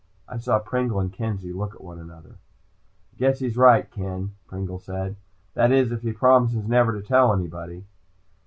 I saw Pringle and Kenzie look at one another. "I guess he's right, Ken," Pringle said. "That is, if he promises never to tell anybody."